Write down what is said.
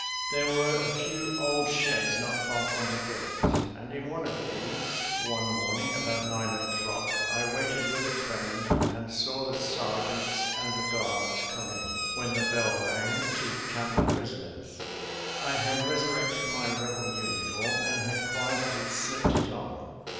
There were a few old sheds not far from the gate, and in one of these one morning about nine o'clock I waited with a friend, and saw the sergeants and the guards come in, when the bell rang, to count the prisoners. I had resurrected my Rebel uniform and had quietly slipped it on.